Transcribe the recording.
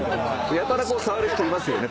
やたらこう触る人いますよね